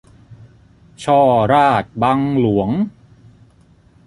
ฉ้อราษฎร์บังหลวง